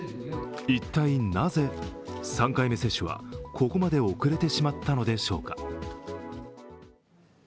一体なぜ、３回目接種はここまで遅れてしまったのでしょうか。